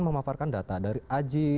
memaparkan data dari aji